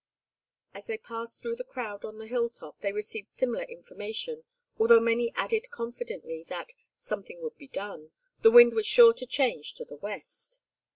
As they passed through the crowd on the hill top, they received similar information, although many added confidently that "something would be done. The wind was sure to change to the west."